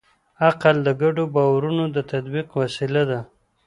عقل د ګډو باورونو د تطبیق وسیله ده.